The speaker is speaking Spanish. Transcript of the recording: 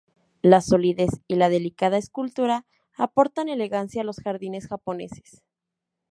La solidez y la delicada escultura, aportan elegancia a los jardines japoneses.